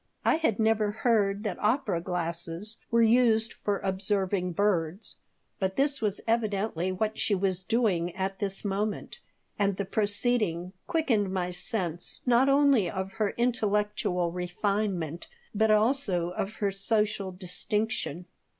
I had never heard that opera glasses were used for observing birds, but this was evidently what she was doing at this moment, and the proceeding quickened my sense not only of her intellectual refinement, but also of her social distinction.